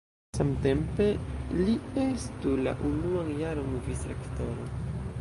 Samtempe li estu la unuan jaron vicrektoro.